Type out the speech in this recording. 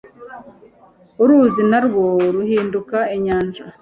uruzi na rwo ruhinduka inyanja